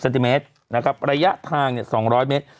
สันติเมตรนะครับระยะทางอีกสองร้อยเมตร